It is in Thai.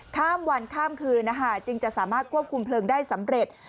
ข้ามวันข้ามคืนจึงจะสามารถควบคุมเพลิงได้สำเร็จ